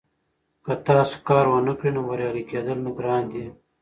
که تاسو کار ونکړئ نو بریالي کیدل ګران دي.